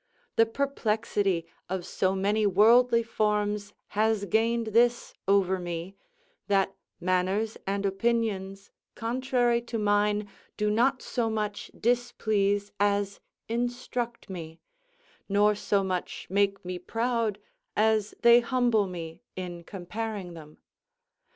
The perplexity of so many worldly forms has gained this over me, that manners and opinions contrary to mine do not so much displease as instruct me; nor so much make me proud as they humble me, in comparing them.